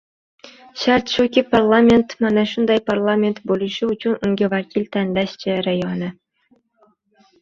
Shart shuki, parlament mana shunday parlament bo‘lishi uchun unga vakil tanlash jarayoni